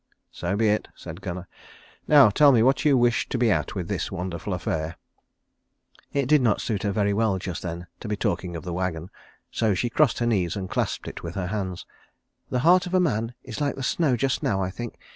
"So be it," said Gunnar. "Now tell me what you wish to be at with this wonderful affair." It did not suit her very well just then to be talking of the wagon, so she crossed her knee and clasped it with her hands. "The heart of a man is like the snow just now, I think.